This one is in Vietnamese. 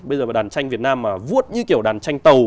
bây giờ mà đàn tranh việt nam mà vuốt như kiểu đàn tranh tàu